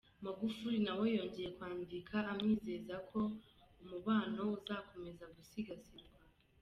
Magufuli nawe yongeye kwandika amwizeza ko umubano uzakomeza gusigasirwa.